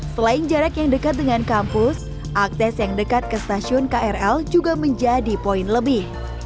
selain jarak yang dekat dengan kampus akses yang dekat ke stasiun krl juga menjadi poin lebih